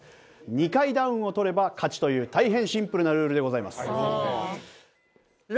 ２回ダウンを取れば勝ちという大変シンプルなルールでございます。